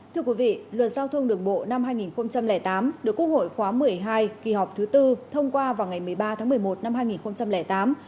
thưa quý vị luật giao thông đường bộ năm hai nghìn tám được quốc hội khóa một mươi hai kỳ họp thứ tư thông qua vào ngày một mươi ba tháng một mươi một năm hai nghìn tám